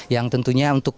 yang tentunya untuk